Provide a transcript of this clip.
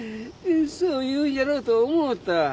そう言うじゃろうと思った。